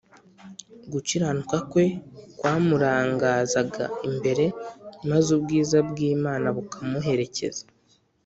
gukiranuka kwe kwamurangazaga imbere, maze ubwiza bw’imana bukamuherekeza